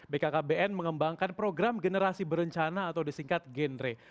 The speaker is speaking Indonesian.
bkkbn mengembangkan program generasi berencana atau disingkat genre